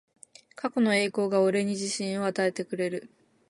過去の栄光が俺に自信を与えてくれる